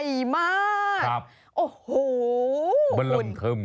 ย่ายมากได้มั้ยหรือไม่รู้ใช่